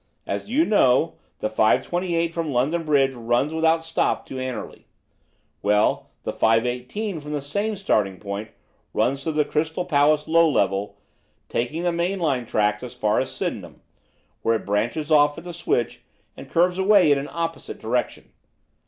As you know, the 5.28 from London Bridge runs without stop to Anerley. Well, the 5.18 from the same starting point runs to the Crystal Palace Low Level, taking the main line tracks as far as Sydenham, where it branches off at the switch and curves away in an opposite direction.